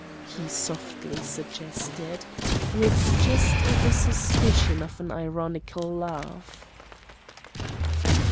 he softly suggested, with just the suspicion of an ironical laugh.